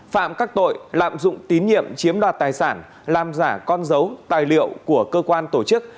phạm các tội lạm dụng tín nhiệm chiếm đoạt tài sản làm giả con dấu tài liệu của cơ quan tổ chức